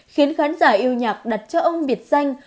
khiến khán giả yêu nhạc đặt cho ông biệt danh